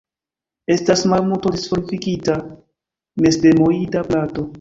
Estas malmulte disvolvigita mestemoida plato.